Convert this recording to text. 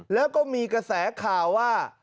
แล้วก็มีกระแสข่าวว่า